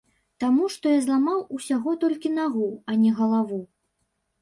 Таму што я зламаў усяго толькі нагу, а не галаву!